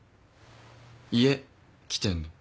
家来てんの。